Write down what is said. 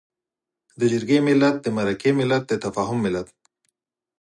د جرګې ملت، د مرکې ملت، د تفاهم ملت.